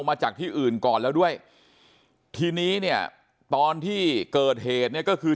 มาจากที่อื่นก่อนแล้วด้วยทีนี้เนี่ยตอนที่เกิดเหตุเนี่ยก็คือ